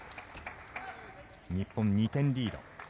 日本、２点リード。